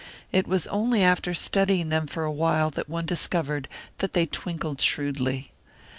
It was only after studying them for a while that one discovered that they twinkled shrewdly.